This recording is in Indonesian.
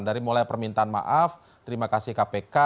dari mulai permintaan maaf terima kasih kpk